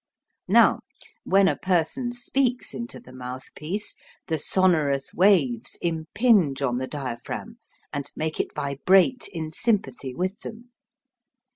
Now, when a person speaks into the mouthpiece the sonorous waves impinge on the diaphragm and make it vibrate in sympathy with them.